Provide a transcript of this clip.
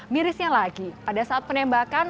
mirisnya lagi pada saat penembakan